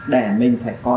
để mình phải có